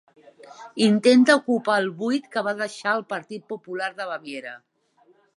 Intenta ocupar el buit que va deixar el Partit Popular de Baviera.